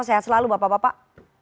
sehat selalu bapak bapak